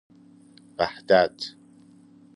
وحدت